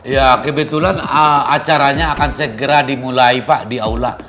ya kebetulan acaranya akan segera dimulai pak di aula